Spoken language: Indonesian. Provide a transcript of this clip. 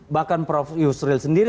bahkan prof yusril sendiri